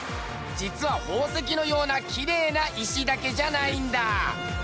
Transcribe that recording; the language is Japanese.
実は宝石のようなキレイな石だけじゃないんだ。